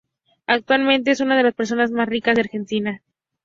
Actualmente es una de las personas más ricas de Argentina.